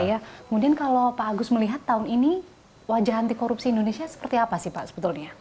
kemudian kalau pak agus melihat tahun ini wajah anti korupsi indonesia seperti apa sih pak sebetulnya